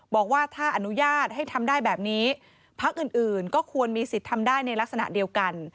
บอกว่าถ้าอนุญาตให้ทำได้แบบนี้พักอื่นก็ควรมีสิทธิ์ทำได้ในลักษณะเดียวกัน